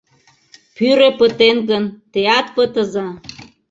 Пӱрӧ пытен гын, теат пытыза!